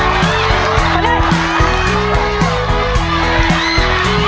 ขนาดนี้